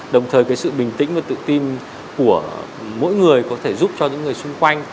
đồng thời sự bình tĩnh và tự tin của mỗi người có thể giúp cho những người xung quanh